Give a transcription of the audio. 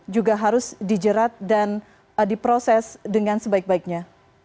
juga harus dijerat dan diproses dengan sebaik baiknya